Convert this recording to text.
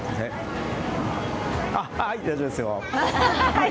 はい、大丈夫ですよ。